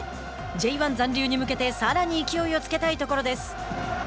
Ｊ１残留に向けてさらに勢いを付けたいところです。